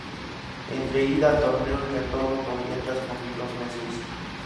Entre ida, torneo y retorno podrían transcurrir dos meses.